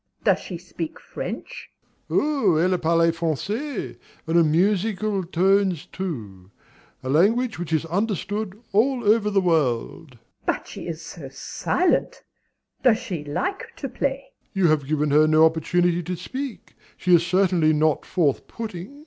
MRS. S. Does she speak French? DOMINIE. Oui, elle parle Français, and in musical tones, too, a language which is understood all over the world. MRS. S. But she is so silent! Does she like to play? DOMINIE. You have given her no opportunity to speak, she is certainly not forth putting.